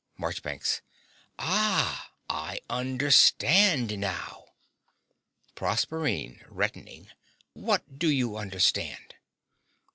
MARCHBANKS. Ah, I understand now! PROSERPINE (reddening). What do you understand?